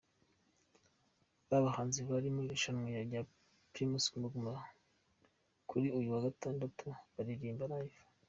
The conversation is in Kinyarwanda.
Babahanzi bari mu irushanwa rya Primus Guma Guma kuri uyu wa Gatandatu bararirimba Live.